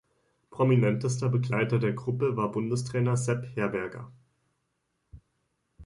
Prominentester Begleiter der Gruppe war Bundestrainer Sepp Herberger.